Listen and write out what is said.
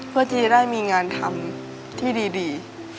เพื่อที่จะได้มีงานทำที่ดี